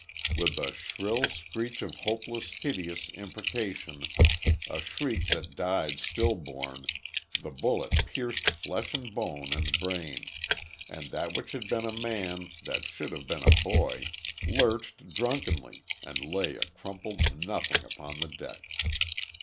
With a shrill screech of hopeless, hideous imprecation, a shriek that died still born, the bullet pierced flesh and bone and brain; and that which had been a man that should have been a boy, lurched drunkenly and lay a crumpled nothing upon the deck.